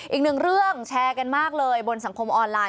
อีกหนึ่งเรื่องแชร์กันมากเลยบนสังคมออนไลน